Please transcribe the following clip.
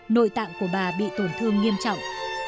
nội tạng của bà bị tổn thương nghiêm trọng